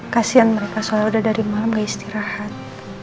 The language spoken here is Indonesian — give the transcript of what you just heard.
kasian mereka soalnya udah dari malem gak istirahat